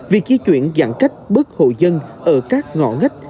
vì chí chuyển giãn cách bức hội dân ở các ngõ ngách